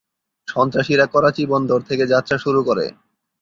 সন্ত্রাসীরা করাচি বন্দর থেকে যাত্রা শুরু করে।